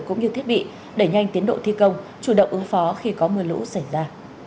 cũng như thiết bị đẩy nhanh tiến độ thi công chủ động ứng phó khi có mưa lũ xảy ra